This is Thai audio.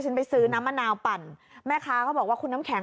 ไปซื้อน้ำมะนาวปั่นแม่ค้าก็บอกว่าคุณน้ำแข็ง